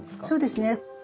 そうですね。